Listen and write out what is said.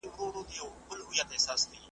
هر څوک باید قانون ومني.